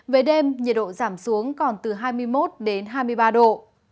về đêm nhiệt độ giảm xuống còn từ hai mươi một đến hai mươi ba độ